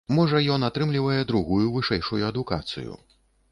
Можа, ён атрымлівае другую вышэйшую адукацыю.